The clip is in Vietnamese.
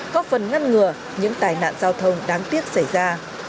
có phần ngăn ngừa những tai nạn giao thông đáng tiếc xảy ra